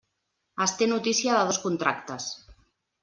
Es té notícia de dos contractes.